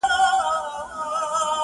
تر بې عقل دوست، هوښيار دښمن ښه دئ.